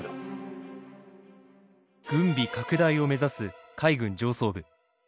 軍備拡大を目指す海軍上層部。